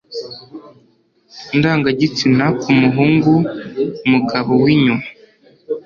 ndangagitsina ku muhungu mugabo w'inyuma